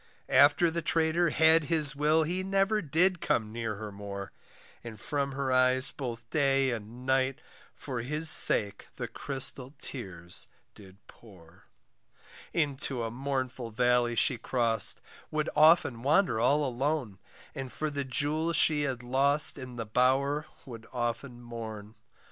After the traitor had his will He never did come near her more, And from her eyes both day and night, For his sake the crystal tears did pour, Into a mournful valley she crossed, Would often wander all alone, And for the jewel she had lost In the bower would often mourn.